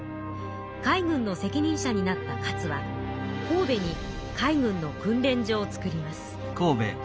海軍の責任者になった勝は神戸に海軍の訓練所を造ります。